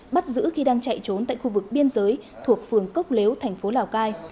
bắt giữ khi đang chạy trốn tại khu vực biên giới thuộc phường cốc lếu thành phố lào cai